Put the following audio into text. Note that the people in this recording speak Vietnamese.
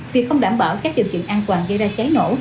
việc không đảm bảo các điều kiện an toàn gây ra cháy nổ